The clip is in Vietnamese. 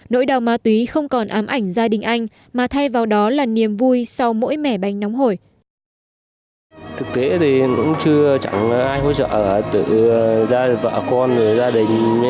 nỗi đau ma túy không còn ám ảnh gia đình anh mà thay vào đó là niềm vui sau mỗi mẻ bánh nóng hồi